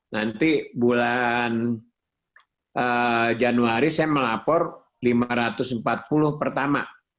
nanti bulan januari saya melapor lima ratus empat puluh pertama